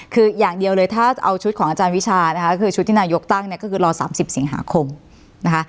คืออย่างเดียวเลยถ้าเอาชุดของอาจารย์วิชานะคะคือชุดที่นายกตั้งเนี่ยก็คือรอ๓๐สิงหาคมนะคะ